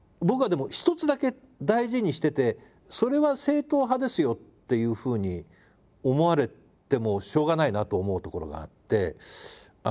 僕はでも一つだけ大事にしててそれは正統派ですよっていうふうに思われてもしょうがないなと思うところがあって。